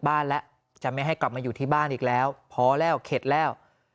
บ้านแล้วจะไม่ให้กลับมาอยู่ที่บ้านอีกแล้วพอแล้วเข็ดแล้ว